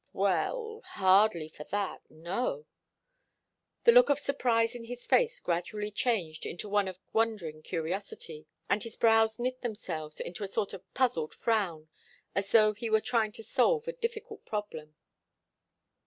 "Well hardly for that no." The look of surprise in his face gradually changed into one of wondering curiosity, and his brows knit themselves into a sort of puzzled frown, as though he were trying to solve a difficult problem.